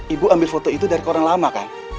ibu ambil foto itu dari orang lama kan